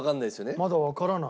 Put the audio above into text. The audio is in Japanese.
まだわからない。